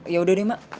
yaudah deh mak